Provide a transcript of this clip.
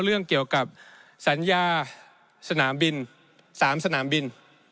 เรื่องเกี่ยวกับสัญญาสนามบิน๓สนามบิน